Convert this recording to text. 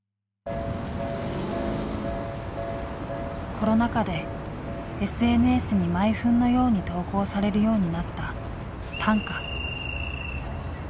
コロナ禍でＳＮＳに毎分のように投稿されるようになった短歌。